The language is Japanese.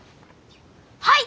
はい！